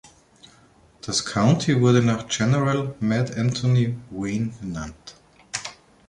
Das County wurde nach General „Mad Anthony“ Wayne benannt.